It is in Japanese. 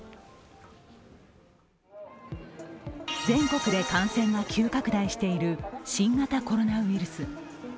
全国で感染が急拡大している新型コロナウイルス。